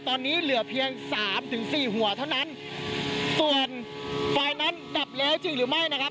ตอนนี้เหลือเพียงสามถึงสี่หัวเท่านั้นส่วนไฟนั้นดับแล้วจริงหรือไม่นะครับ